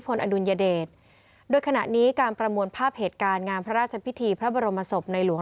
ดุลยเดชโดยขณะนี้การประมวลภาพเหตุการณ์งานพระราชพิธีพระบรมศพในหลวง